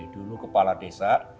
dulu kepala desa